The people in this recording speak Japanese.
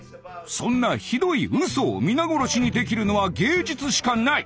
そんなひどい嘘を皆殺しにできるのは芸術しかない。